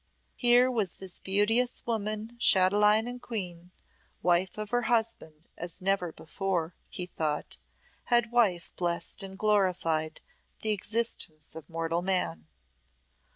Here was this beauteous woman chatelaine and queen, wife of her husband as never before, he thought, had wife blessed and glorified the existence of mortal man.